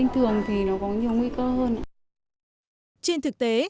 trên thực tế